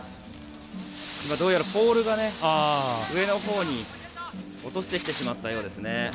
どうやらポールが上のほうに落としてしまったようですね。